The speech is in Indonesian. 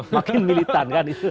makin militan kan itu